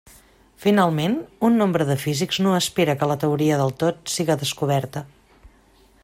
Finalment, un nombre de físics no espera que la teoria del tot siga descoberta.